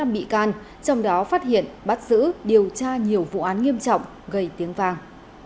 một trăm bốn mươi năm bị can trong đó phát hiện bắt giữ điều tra nhiều vụ án nghiêm trọng gây tiếng vang